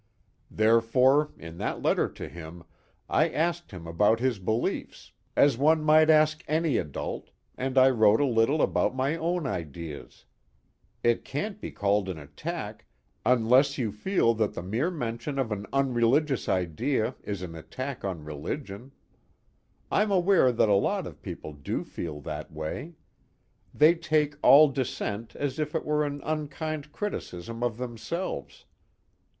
Therefore in that letter to him I asked him about his beliefs, as one might ask any adult, and I wrote a little about my own ideas. It can't be called an attack unless you feel that the mere mention of an unreligious idea is an attack on religion. I'm aware that a lot of people do feel that way. They take all dissent as if it were an unkind criticism of themselves.